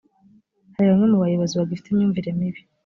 hari bamwe mu bayobozi bagifite imyumvire mibi.